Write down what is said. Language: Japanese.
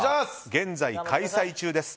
現在、開催中です